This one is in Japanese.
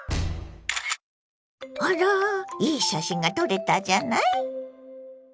あらいい写真が撮れたじゃない。